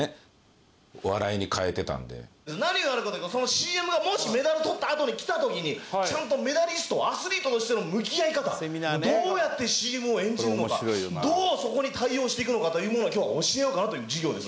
ＣＭがもしメダル取ったあとにきた時にちゃんとメダリストアスリートとしての向き合い方どうやってＣＭを演じるのかどうそこに対応していくのかというものを今日は教えようかなという授業です。